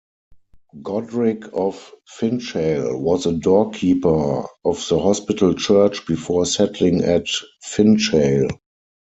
Godric of Finchale was a doorkeeper of the hospital church before settling at Finchale.